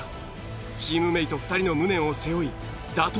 チームメート２人の無念を背負い打倒